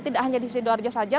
tidak hanya di sidoarjo saja